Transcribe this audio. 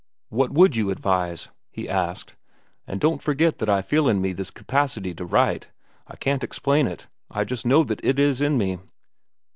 "What would you advise?" he asked. "And don't forget that I feel in me this capacity to write—I can't explain it; I just know that it is in me."